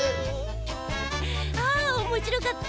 あおもしろかった！